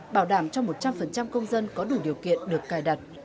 bảo đảm cho một trăm linh công dân có đủ điều kiện được cài đặt